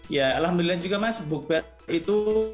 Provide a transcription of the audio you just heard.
ya alhamdulillah juga mas book ber itu